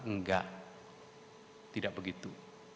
enggak tidak begitu